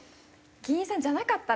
議員さんじゃなかったら？